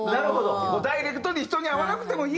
ダイレクトに人に会わなくてもいいからと。